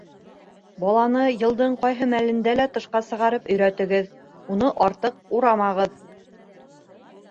Баланы йылдың ҡайһы мәлендә лә тышҡа сығарып өйрәтегеҙ, уны артыҡ урамағыҙ.